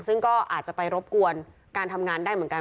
ซึ่งก็อาจจะไปรบกวนการทำงานได้เหมือนกัน